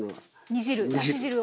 煮汁だし汁を。